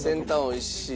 おいしい！